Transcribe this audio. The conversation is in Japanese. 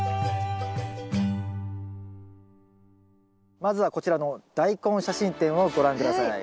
まずはこちらのダイコン写真展をご覧下さい。